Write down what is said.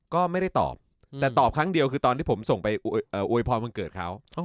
ก็ไม่ได้ตอบแต่ตอบครั้งเดียวคือตอนที่ผมส่งไปอวยพรวันเกิดเขา